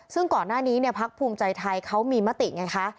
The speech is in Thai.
ซึ่งก่อนหน้านี้พักภูมิใจไทยเขามีมติไงคะ